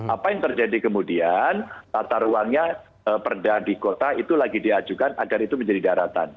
apa yang terjadi kemudian tata ruangnya perda di kota itu lagi diajukan agar itu menjadi daratan